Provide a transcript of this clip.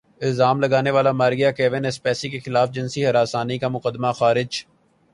الزام لگانے والا مر گیا کیون اسپیسی کے خلاف جنسی ہراسانی کا مقدمہ خارج